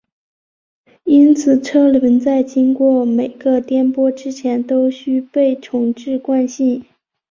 因此车轮在经过每个颠簸之前都须被重置惯性。